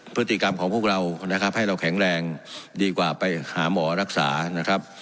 พฤติกรรมของพวกเรานะครับให้เราแข็งแรงดีกว่าไปหาหมอรักษานะครับ